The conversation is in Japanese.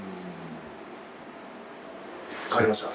変わりました？